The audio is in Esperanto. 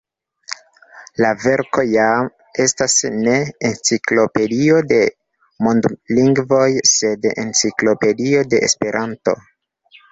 La verko ja estas ne enciklopedio de mondolingvoj, sed Enciklopedio de Esperanto.